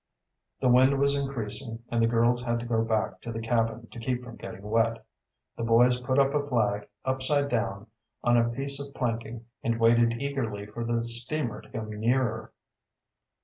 The wind was increasing, and the girls had to go back to the cabin to keep from getting wet. The boys put up a flag, upside down, on a piece of planking, and waited eagerly for the steamer to come nearer.